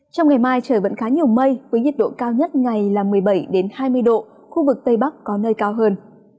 trong ngày mai trời vẫn khá nhiều mây với nhiệt độ cao nhất ngày là một mươi bảy hai mươi độ khu vực tây bắc có nơi cao hơn